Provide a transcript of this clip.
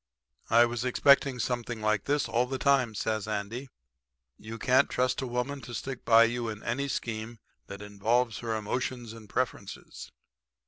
"'I was expecting something like this all the time,' says Andy. 'You can't trust a woman to stick by you in any scheme that involves her emotions and preferences.'